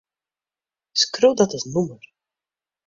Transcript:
Skriuw dat as nûmer.